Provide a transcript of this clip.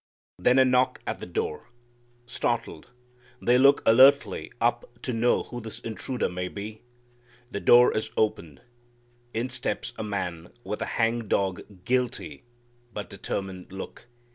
Then a knock at the door. Startled, they look alertly up to know who this intruder may be. The door is opened. In steps a man with a hangdog, guilty, but determined look.